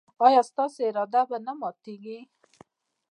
ایا ستاسو اراده به نه ماتیږي؟